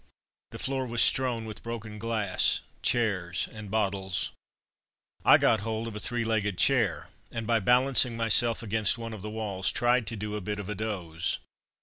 The floor was strewn with broken glass, chairs, and bottles. I got hold of a three legged chair, and by balancing myself against one of the walls, tried to do a bit of a doze.